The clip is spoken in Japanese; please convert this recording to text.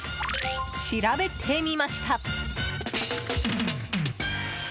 調べてみました。